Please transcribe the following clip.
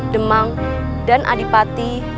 demang dan adipati